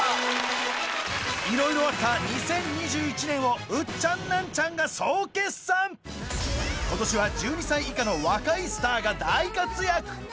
いろいろあった２０２１年を今年は１２歳以下の若いスターが大活躍！